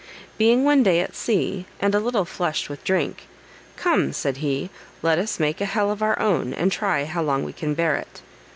Being one day at sea, and a little flushed with drink; "Come," said he, "let us make a hell of our own, and try how long we can bear it."